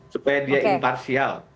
supaya dia imparsial